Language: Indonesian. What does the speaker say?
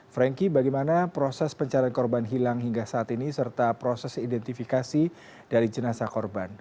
frankie bagaimana proses pencarian korban hilang hingga saat ini serta proses identifikasi dari jenazah korban